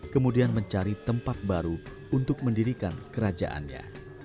kemudian mencari tempat baru untuk mendirikan kerajaannya